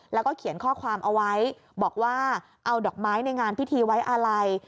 แล้วก็เขียนข้อความเอาไว้บอกว่าเอาดอกไม้ในงานพิธีไว้อาลัย